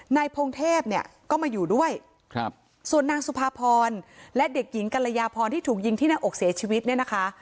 พงเทพเนี่ยก็มาอยู่ด้วยครับส่วนนางสุภาพรและเด็กหญิงกัลยาพรที่ถูกยิงที่หน้าอกเสียชีวิตเนี่ยนะคะ